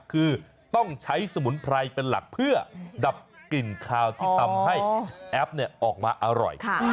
คือต้องใช้สมุนไพรเป็นหลักเพื่อดับกลิ่นคาวที่ทำให้แอปออกมาอร่อย